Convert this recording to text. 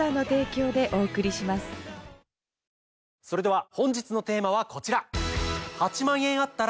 それでは本日のテーマはこちら！